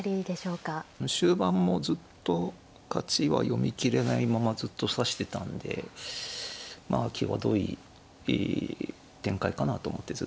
終盤もずっと勝ちは読み切れないままずっと指してたんでまあ際どい展開かなと思ってずっとやってました。